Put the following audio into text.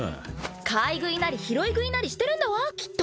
買い食いなり拾い食いなりしてるんだわきっと。